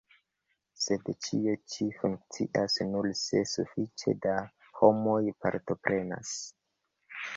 Sed ĉio ĉi funkcias nur se sufiĉe da homoj partoprenas.